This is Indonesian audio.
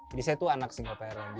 jadi saya tuh anak single parent